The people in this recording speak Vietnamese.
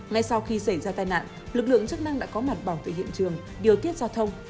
ngay sau khi xảy ra tai nạn lực lượng chức năng đã có mặt bảo vệ hiện trường điều tiết giao thông